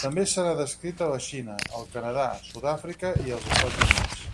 També se n'ha descrit a la Xina, el Canadà, Sud-àfrica i els Estats Units.